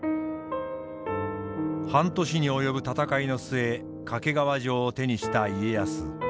半年に及ぶ戦いの末掛川城を手にした家康。